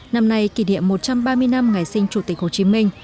năm nay kỷ niệm một trăm ba mươi năm ngày sinh chủ tịch hồ chí minh